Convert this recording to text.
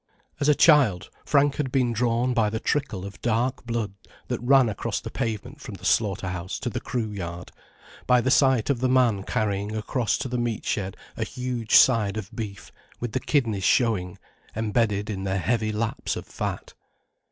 As a child Frank had been drawn by the trickle of dark blood that ran across the pavement from the slaughter house to the crew yard, by the sight of the man carrying across to the meat shed a huge side of beef, with the kidneys showing, embedded in their heavy laps of fat.